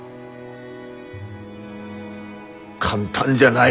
簡単じゃない。